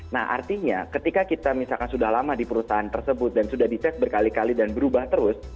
nah artinya ketika kita misalkan sudah lama di perusahaan tersebut dan sudah dicek berkali kali dan berubah terus